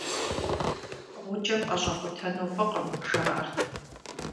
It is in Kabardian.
Гъуджэ пӀэщӀэкъутэну фӀыкъым, жаӀэрт.